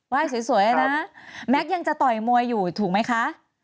สวยนะแม็กซ์ยังจะต่อยมวยอยู่ถูกไหมคะ